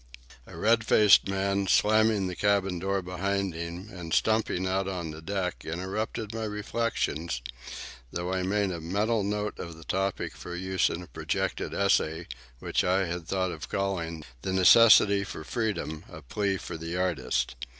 A red faced man, slamming the cabin door behind him and stumping out on the deck, interrupted my reflections, though I made a mental note of the topic for use in a projected essay which I had thought of calling "The Necessity for Freedom: A Plea for the Artist."